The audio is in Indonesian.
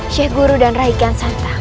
syekh guru dan rai gansanta